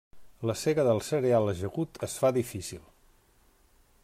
La sega del cereal ajagut es fa difícil.